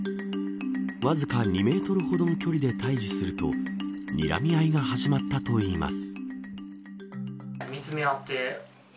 わずか２メートルほどの距離で対峙するとにらみ合いが始まったといいます。